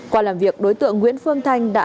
qua làm việc đối tượng nguyễn phương thanh đã